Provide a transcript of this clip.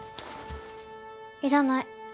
いらない。